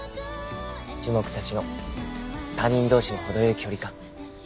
樹木たちの他人同士の程良い距離感。